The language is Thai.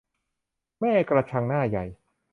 แม่กระชังหน้าใหญ่